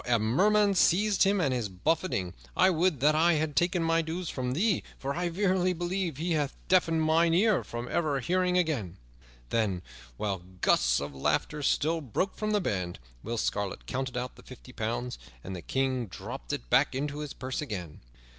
A murrain seize him and his buffeting! I would that I had taken my dues from thee, for I verily believe he hath deafened mine ear from ever hearing again." Then, while gusts of laughter still broke from the band, Will Scarlet counted out the fifty pounds, and the King dropped it back into his purse again.